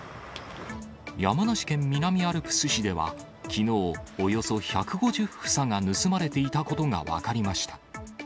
山梨県南アルプス市では、きのう、およそ１５０房が盗まれていたことが分かりました。